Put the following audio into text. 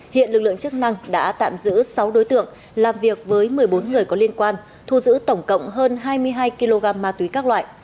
hiện lực lượng chức năng đã tạm giữ sáu đối tượng làm việc với một mươi bốn người có liên quan thu giữ tổng cộng hơn hai mươi hai kg ma túy các loại